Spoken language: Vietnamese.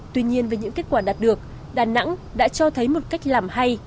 tuy nhiên với những kết quả đạt được đà nẵng đã cho thấy một cách làm hay